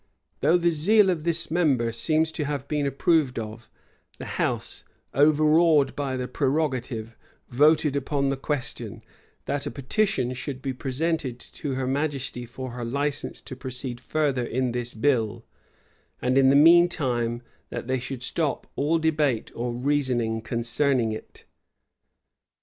[] Though the zeal of this member seems to have been approved of, the house, overawed by the prerogative, voted upon the question, that a petition should be presented to her majesty for her license to proceed further in this bill; and in the mean time that they should stop all debate or reasoning concerning it.